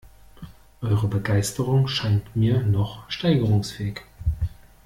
Eure Begeisterung scheint mir noch steigerungsfähig.